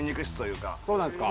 そうなんですか？